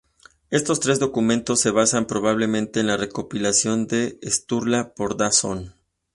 Estos tres documentos se basan probablemente en la recopilación de Sturla Þórðarson.